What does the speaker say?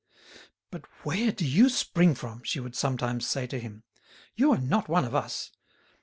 "But where do you spring from?" she would sometimes say to him. "You are not one of us.